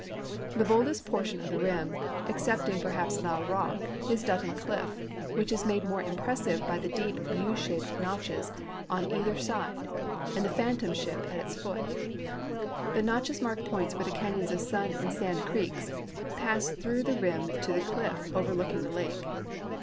The boldest portion of the rim, excepting perhaps Llao rock, is Button cliff, whicii is made more impressive by the deep U shape notches on either side and the Phantom Ship at its foot. The notches mark points where the canyons of Sun and Sand creeks pass through the rim to the cliff overlooking the lake.